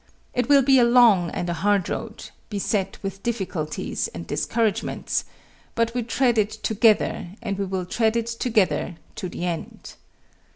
It will be a long and a hard road, beset with difficulties and discouragements, but we tread it together and we will tread it together to the end.